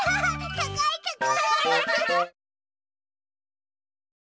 たかいたかい！